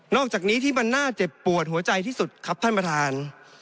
อกจากนี้ที่มันน่าเจ็บปวดหัวใจที่สุดครับท่านประธาน